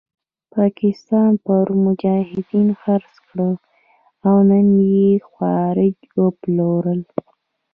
پاکستان پرون مجاهدین خرڅ کړل او نن یې خوارج وپلورل.